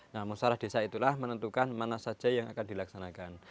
nah musarah desa itulah menentukan mana saja yang akan dilaksanakan